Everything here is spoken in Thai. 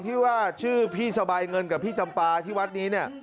ที่ว่าชื่อพี่สบายเงินกับพี่จำปาที่วัดนี้เนี่ย